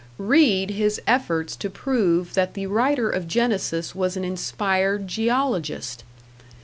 Read his efforts to prove that the writer of Genesis was an inspired geologist!